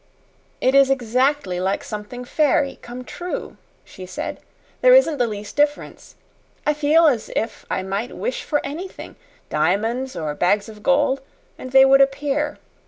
"It is exactly like something fairy come true," she said. "There isn't the least difference. I feel as if I might wish for anything diamonds or bags of gold and they would appear!